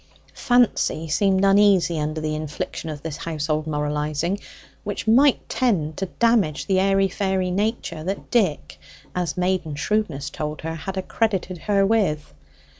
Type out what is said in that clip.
Fancy seemed uneasy under the infliction of this household moralizing, which might tend to damage the airy fairy nature that Dick, as maiden shrewdness told her, had accredited her with.